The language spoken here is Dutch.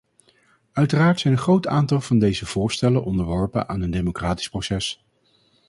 Uiteraard zijn een groot aantal van deze voorstellen onderworpen aan een democratisch proces.